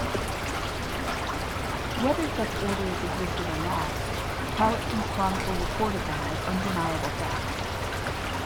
Whether such orders existed or not, Palitsyn's chronicle reported them as undeniable fact.